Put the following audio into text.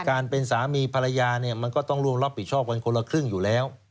การเป็นสามีภรรยาเนี่ยมันก็ต้องร่วมรับผิดชอบกันคนละครึ่งอยู่แล้ว